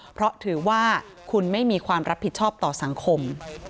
เพราะถือว่าคุณไม่มีความรับผิดชอบต่อสังคม